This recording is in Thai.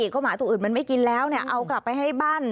ก็หมาตัวอื่นมันไม่กินแล้วเอากลับไปให้บ้าน